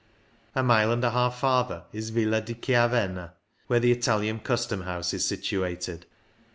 A mile and a half farther is Villa di Chiavenna, where the Italian Custom house is situated.